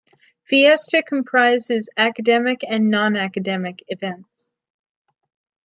Fiesta comprises academic and non-academic events.